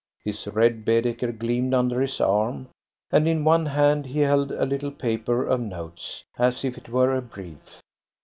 His red "Baedeker" gleamed under his arm, and in one hand he held a little paper of notes, as if it were a brief.